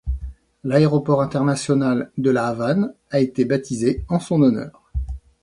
L'aéroport international de La Havane a été baptisé en son honneur.